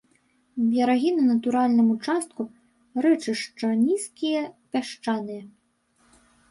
Берагі на натуральным участку рэчышча нізкія, пясчаныя.